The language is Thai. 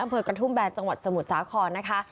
อำเภอกระทุ่มแบนจังหวัดสมุทรสาครนะคะ